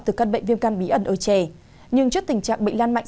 từ căn bệnh viêm căn bí ẩn ở trẻ nhưng trước tình trạng bệnh lan mạnh